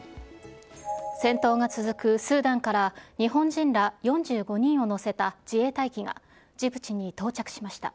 戦闘が続くスーダンから日本人ら４５人を乗せた自衛隊機がジブチに到着しました。